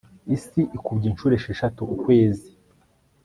isi ikubye inshuro esheshatu ukwezi